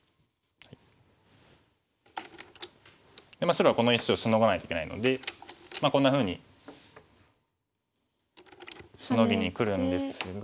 白はこの石をシノがないといけないのでこんなふうにシノぎにくるんですが。